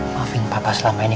maafin papa selama ini